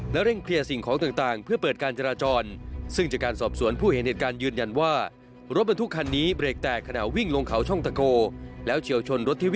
เร่งเคลียร์สิ่งของต่างเพื่อเปิดการจราจร